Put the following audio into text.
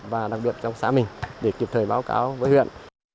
và đặc biệt trong xã mình để kịp thời báo cáo với huyện